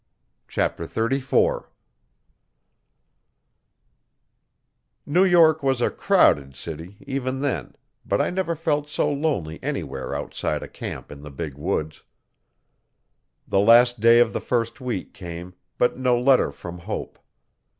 Chapter 34 New York was a crowded city, even then, but I never felt so lonely anywhere outside a camp in the big woods, The last day of the first week came, but no letter from Hope.